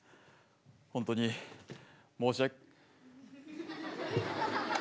本当に申しわ。